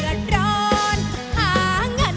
ฮุยฮาฮุยฮารอบนี้ดูทางเวที